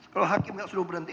kalau hakim gak suruh berhenti